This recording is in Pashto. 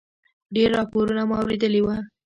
ډېر راپورونه مو اورېدلي و.